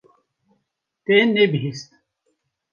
Te nebihîst.